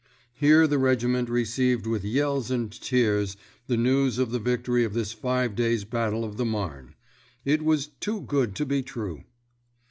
Here the regiment received with yells and tears the news of the victory of this five days' battle of the Marne. It was too good to be true.